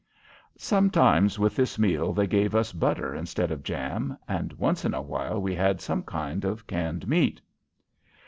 Sometimes with this meal they gave us butter instead of jam, and once in a while we had some kind of canned meat.